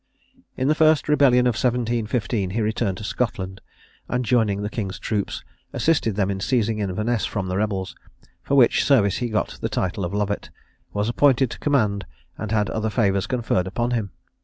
In the first rebellion of 1715 he returned to Scotland, and joining the king's troops, assisted them in seizing Inverness from the rebels; for which service he got the title of Lovat, was appointed to command, and had other favours conferred upon him.